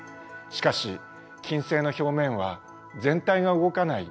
しかし金星の表面は全体が動かない１枚の硬い